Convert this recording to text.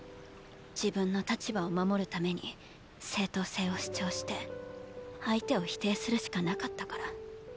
自分の立場を守るために正当性を主張して相手を否定するしかなかったから。